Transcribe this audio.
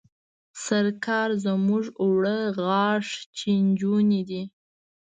سرکال زموږ اوړه غاښ چيچوني دي.